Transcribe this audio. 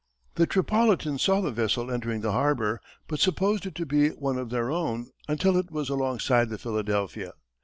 The Tripolitans saw the vessel entering the harbor, but supposed it to be one of their own until it was alongside the Philadelphia.